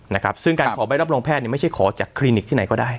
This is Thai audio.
นะครับซึ่งการขอใบรับรองแพทย์เนี่ยไม่ใช่ขอจากคลินิกที่ไหนก็ได้